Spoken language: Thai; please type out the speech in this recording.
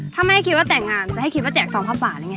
ถ้าไม่ให้คิดว่าแต่งงานจะให้คิดว่าแจกซองภาพบ่าเลยไง